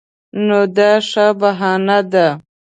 نو دا ښه بهانه ده.